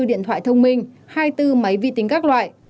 tám mươi bốn điện thoại thông minh hai mươi bốn máy vi tính các loại